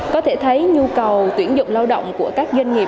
có thể thấy nhu cầu tuyển dụng lao động của các doanh nghiệp